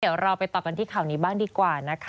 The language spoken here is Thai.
เดี๋ยวเราไปต่อกันที่ข่าวนี้บ้างดีกว่านะคะ